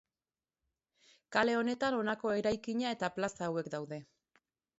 Kale honetan honako eraikina eta plaza hauek daude.